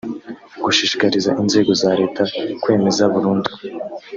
gushishikariza inzego za leta kwemeza burundu